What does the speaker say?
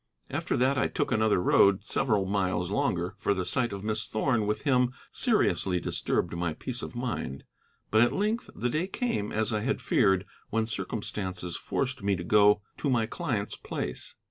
After that I took another road, several miles longer, for the sight of Miss Thorn with him seriously disturbed my peace of mind. But at length the day came, as I had feared, when circumstances forced me to go to my client's place.